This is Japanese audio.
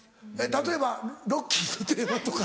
例えば『ロッキー』のテーマとか？